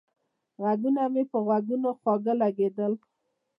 غږونه مې په غوږونو خواږه لگېدل